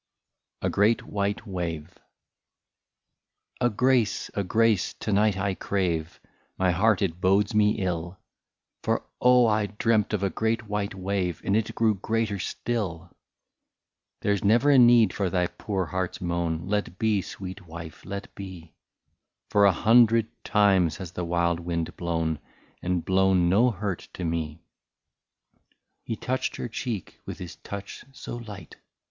A GREAT WHITE WAVE. '* A GRACE, a grace, to night I crave, — My heart it bodes me ill ; For oh ! I dreamt of a great white wave. And it grew greater still." " There 's never a need for thy poor heart's moan, Let be, sweet wife, let be ; For a hundred times has the wild wind blown. And blown no hurt to me." He touched her cheek with his touch so light.